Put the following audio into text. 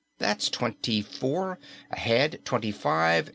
that's twenty four. A head, twenty five.